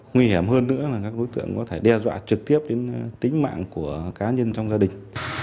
nguy hiểm hơn nữa là các đối tượng có thể đe dọa trực tiếp đến tính mạng của cá nhân trong gia đình